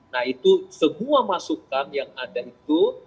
nah itu semua masukan yang ada itu